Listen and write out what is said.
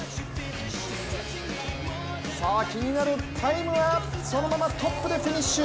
気になるタイムはそのままトップでフィニッシュ！